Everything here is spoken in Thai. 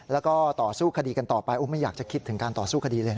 แล้วก็ต่อสู้คดีกันต่อไปไม่อยากจะคิดถึงการต่อสู้คดีเลยนะ